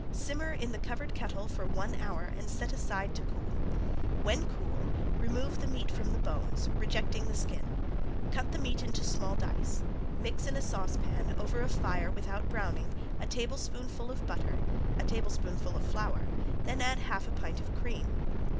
Simmer in the covered kettle for one hour and set aside to cool. When cool remove the meat from the bones, rejecting the skin. Cut the meat into small dice. Mix in a saucepan, over a fire without browning, a tablespoonful of butter, a tablespoonful of flour, then add half a pint of cream.